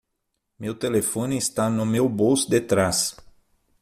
Meu telefone está no meu bolso de trás.